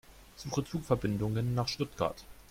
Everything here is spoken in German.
Suche Zugverbindungen nach Stuttgart.